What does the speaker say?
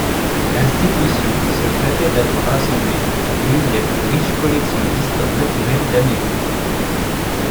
L’institution se flattait d’avoir rassemblé l’une des plus riches collections d’histoire naturelle d’Amérique.